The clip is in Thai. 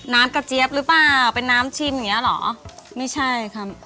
น้ำกระเจี๊ยบหรือเปล่าเป็นน้ำชิมอย่างเงี้เหรอไม่ใช่ครับ